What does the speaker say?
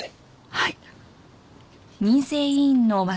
はい。